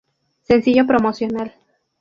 Sencillo Promocional